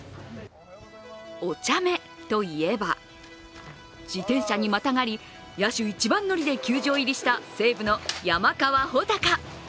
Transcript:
おちゃめといえば、自転車にまたがり野手一番乗りで球場入りした西武の山川穂高。